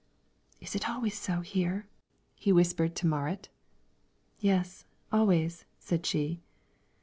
"Is it always so here?" he whispered to Marit. "Yes, always," said she.